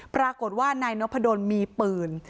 ปรากฏว่านายนพดลมีปืน